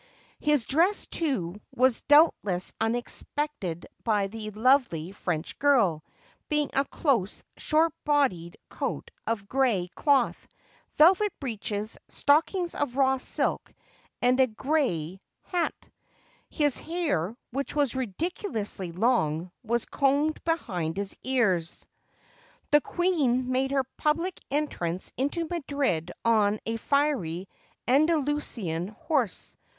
His dress, too, was doubtless unexpected by the lovely French girl, being a close, short bodied coat of gray cloth, velvet breeches, stockings of raw silk, and a gray 528 THE QUEEN AND HER SUPERINTENDENT hat. His hair, which was ridiculously long, was combed behind his ears. The queen made her public entrance into Madrid on a fiery Andalusian horse.